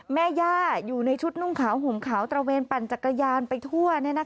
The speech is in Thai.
แม่ย่าอยู่ในชุดนุ่งขาวห่มขาวตระเวนปั่นจักรยานไปทั่ว